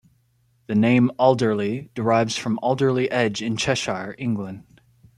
The name "Alderley" derives from Alderley Edge in Cheshire, England.